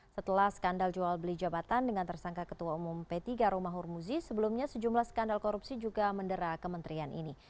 setelah skandal jual beli jabatan dengan tersangka ketua umum p tiga romahur muzi sebelumnya sejumlah skandal korupsi juga mendera kementerian ini